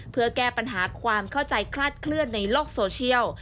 เพื่อแก้ปัญหาความเข้าใจคลาดเคลื่อนในโลกโซเชียล